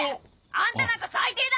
あんたなんか最低だ！